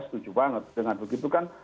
setuju banget dengan begitu kan